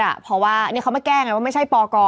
คือตอนแรกที่โดนโยงไปที่คุณน็อต